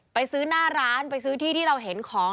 ไปซื้อหน้าร้านไปซื้อที่ที่เราเห็นของ